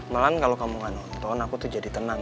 malahan kalau kamu gak nonton aku tuh jadi tenang